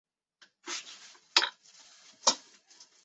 安宁薹草为莎草科薹草属下的一个种。